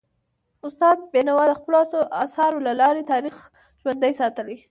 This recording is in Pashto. استاد بینوا د خپلو اثارو له لارې تاریخ ژوندی ساتلی.